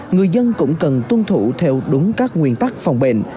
người dân cũng cần tuân thủ theo đúng các nguyên tắc phòng bệnh